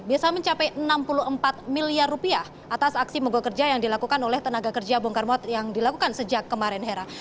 biasa mencapai enam puluh empat miliar rupiah atas aksi mogok kerja yang dilakukan oleh tenaga kerja bongkar mot yang dilakukan sejak kemarin hera